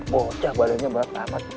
bocah badannya berat